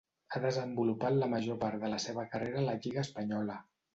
Ha desenvolupat la major part de la seva carrera a la lliga espanyola.